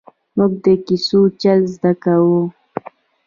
ـ مونږ د کیسو چل زده کاوه!